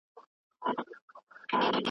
خوږه اشنا زه به په تا صبر کومه